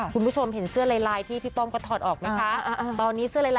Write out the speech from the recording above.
คุณผู้ชมเห็นเสื้อไลน์ที่พี่พ่องก็ถอดออกไหมคะ